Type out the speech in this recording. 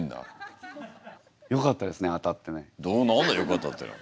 何だよかったっていうのは。